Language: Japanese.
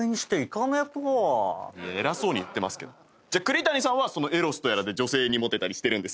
偉そうに言ってますけどじゃあ栗谷さんはそのエロスとやらで女性にモテたりしてるんですか？